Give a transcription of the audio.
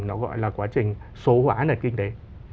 nó gọi là quá trình số hóa nền kinh tế